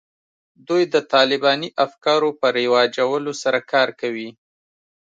دوی د طالباني افکارو په رواجولو سره کار کوي